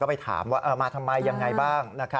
ไปถามว่ามาทำไมยังไงบ้าง